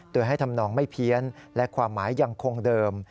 โดยให้ทำนองไม่เพี้ยนและความหมายยังคงเดิม